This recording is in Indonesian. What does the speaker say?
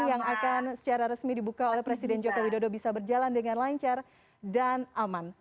yang akan secara resmi dibuka oleh presiden joko widodo bisa berjalan dengan lancar dan aman